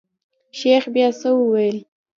شيخ بيا څه وويل.